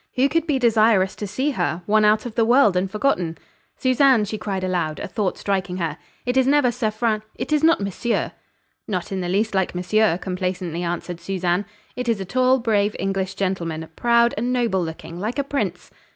Who could be desirous to see her? One out of the world and forgotten! "Susanne," she cried aloud, a thought striking her, "it is never Sir Fran it is not monsieur!" "Not in the least like monsieur," complacently answered Susanne. "It is a tall, brave English gentleman, proud and noble looking like a prince."